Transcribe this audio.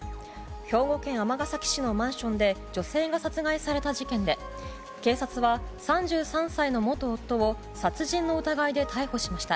兵庫県尼崎市のマンションで女性が殺害された事件で警察は３３歳の元夫を殺人の疑いで逮捕しました。